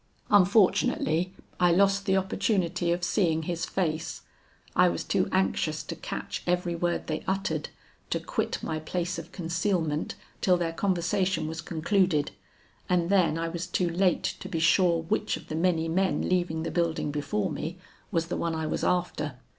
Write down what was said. Unfortunately I lost the opportunity of seeing his face. I was too anxious to catch every word they uttered, to quit my place of concealment till their conversation was concluded, and then I was too late to be sure which of the many men leaving the building before me was the one I was after.